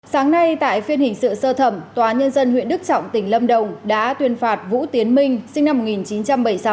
sáng nay tại phiên hình sự sơ thẩm tòa nhân dân huyện đức trọng tỉnh lâm đồng đã tuyên phạt vũ tiến minh sinh năm một nghìn chín trăm bảy mươi sáu